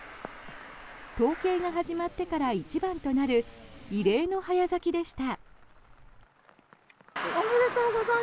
統計が始まってから一番となる異例の早咲きでした。